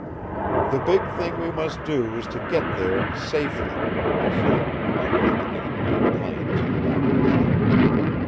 "The big thing we must do is to get there safely," he said, already beginning to make plans in the back of his head.